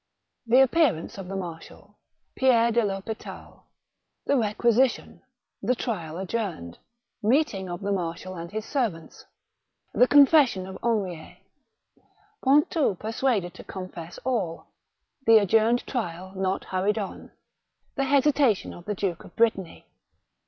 The Appearance of the Marshal— Pierre de THospital — ^The Requisi tion — The Trial adjourned— Meeting of the Marshal and his Servants — The Confession of Henriet — Pontou persuaded to con fess all — The adjourned Trial not hurried on — The Hesitation of the Duke of Brittany.